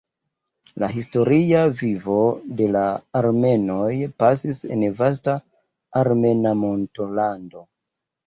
La historia vivo de la armenoj pasis en vasta armena montolando.